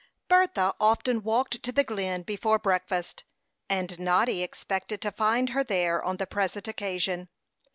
Bertha often walked to the Glen before breakfast, and Noddy expected to find her there on the present occasion.